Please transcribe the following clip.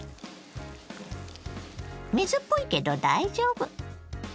水っぽいけど大丈夫。